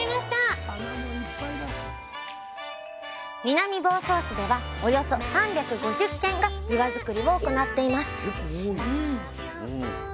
南房総市ではおよそ３５０軒がびわ作りを行っています